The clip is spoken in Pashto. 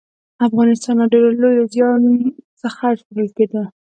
افغانستان له ډېر لوی زيان څخه ژغورل کېده